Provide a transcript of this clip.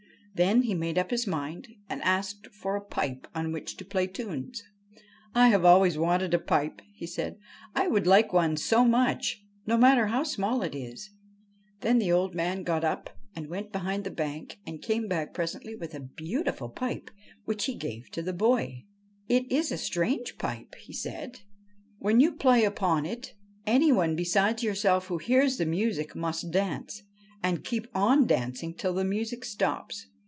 Then he made up his mind and asked for a pipe on which to play tunes. ' I have always wanted a pipe,' he said ;' I would like one so much, no matter how small it is.' Then the old man got up and went behind the bank, and came back presently with a beautiful pipe, which he gave to the boy. ' It is a strange pipe,' he said. ' When you play upon it any one besides yourself who hears the music must dance, and keep on dancing till the music stops.'